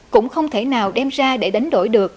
cũng không thể nào đem ra để đánh đổi được